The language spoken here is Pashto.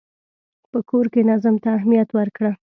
په کور کې نظم ته اهمیت ورکړه.